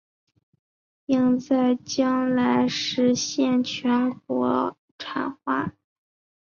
并在将来实现全面国产化。